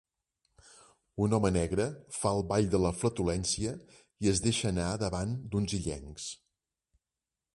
Un home negre fa el ball de la flatulència i es deixar anar davant d'uns illencs.